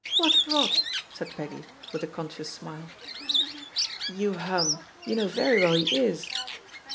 "What rotl" said Peggy, with a conscious smile. "You hum! You know very well he is."